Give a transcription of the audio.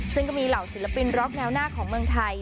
ซึ่งก็มีเหล่าศิลปินร็อกแนวหน้าของเมืองไทย